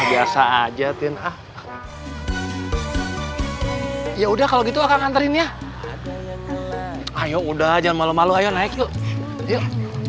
biasa aja tin ya udah kalau gitu akan ngantarin ya aduh udah jangan malu malu ayo naik yuk yuk